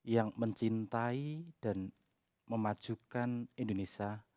yang mencintai dan memajukan indonesia